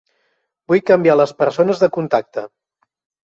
Vull canviar les persones de contacte.